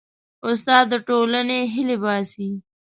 استاد د ټولنې هیلې باسي.